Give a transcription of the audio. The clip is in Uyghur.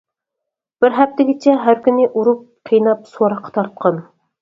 بىر ھەپتىگىچە ھەر كۈنى ئۇرۇپ قىيناپ، سوراققا تارتقان.